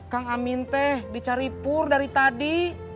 kang amin teh dicari pur dari tadi